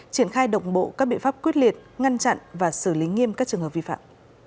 triển khai độc bộ các biện pháp quyết liệt ngăn chặn và xử lý nghiêm các trường hợp vi phạm